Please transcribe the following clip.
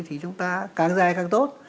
thì chúng ta càng dài càng tốt